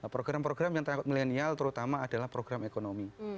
program program yang terkait milenial terutama adalah program ekonomi